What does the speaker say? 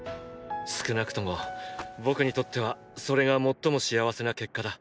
少なくとも僕にとってはそれが最も幸せな結果だ。